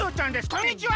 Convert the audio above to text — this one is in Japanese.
こんにちは。